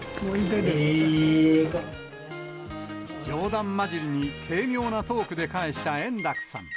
冗談交じりに軽妙なトークで返した円楽さん。